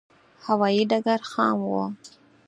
هوایې ډګر خام و.